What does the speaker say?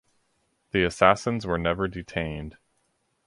The assassins were never detained.